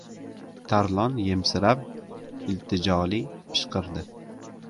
Tarlon yemsirab, iltijoli pishqirdi.